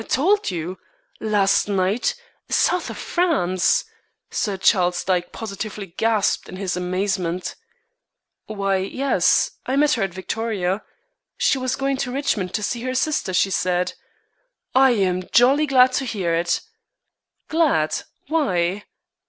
"Told you last night South of France!" Sir Charles Dyke positively gasped in his amazement. "Why, yes. I met her at Victoria. She was going to Richmond to see her sister, she said." "I am jolly glad to hear it." "Glad! Why?"